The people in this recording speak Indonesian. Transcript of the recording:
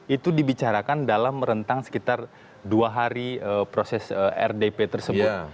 itu dibicarakan dalam rentang sekitar dua hari proses rdp tersebut